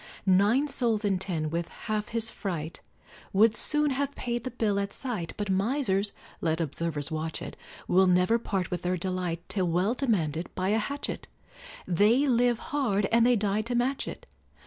Nine souls in ten, with half his fright, Would soon have paid the bill at sight, But misers (let observers watch it) Will never part with their delight Till well demanded by a hatchet They live hard and they die to match it.